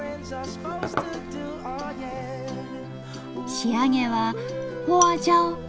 仕上げはホワジャオ。